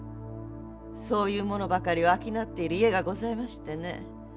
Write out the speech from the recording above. そういう物ばかりを商っている家がございましてね。